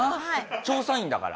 調査員だから。